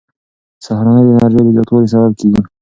سهارنۍ د انرژۍ د زیاتوالي سبب کېږي.